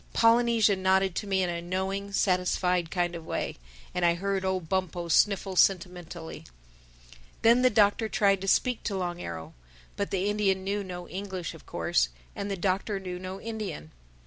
Polynesia nodded to me in a knowing, satisfied kind of way. And I heard old Bumpo sniffle sentimentally. Then the Doctor tried to speak to Long Arrow. But the Indian knew no English of course, and the Doctor knew no Indian.